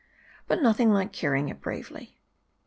But nothing like carrying it bravely.